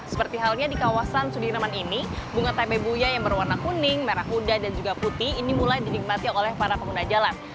seperti halnya di kawasan sudirman ini bunga tabe buya yang berwarna kuning merah kuda dan juga putih ini mulai dinikmati oleh para pengguna jalan